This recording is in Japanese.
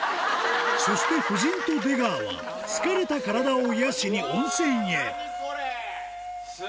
そして夫人と出川は疲れた体を癒やしに温泉へ何？